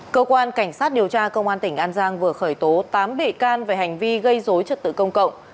cơ quan cảnh sát điều tra công an tỉnh an giang vừa khởi tố tám bệ can về hành vi gây dối trật tự công cộng